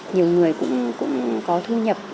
nhiều người cũng có thu nhập